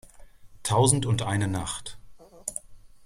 Tausend und eine Nacht.